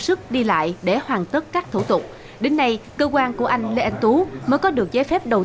sức đi lại để hoàn tất các thủ tục đến nay cơ quan của anh lê anh tú mới có được giấy phép đầu